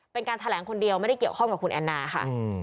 เป็นการแถลงคนเดียวไม่ได้เกี่ยวข้องกับคุณแอนนาค่ะ